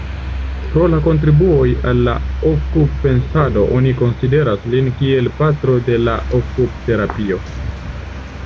Pro la kontribuoj al la okup-pensado oni konsideras lin kiel patro de la okup-terapio.